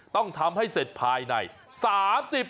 ต้องทำให้เสร็จภายใน๓๐ปี